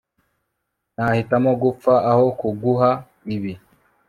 nahitamo gupfa aho kuguha ibi